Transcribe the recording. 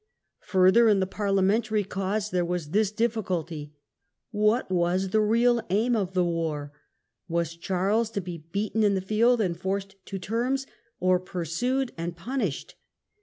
Further, in the Parliamentary cause there was this difficulty — what was the real aim of the war? Was Charles to be beaten in the field and forced to terms, or pursued and punished?